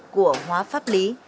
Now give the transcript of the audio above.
của hóa pháp lý